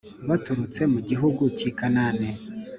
baturutse mu gihugu cy i Kanani.